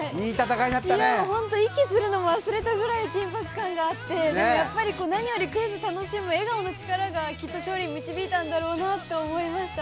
息するのも忘れたぐらい緊迫感があってでもやっぱり何よりクイズを楽しむ笑顔の力がきっと勝利に導いたんだろうなって思いました。